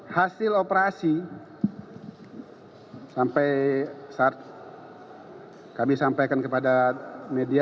hasil operasi sampai saat kami sampaikan kepada media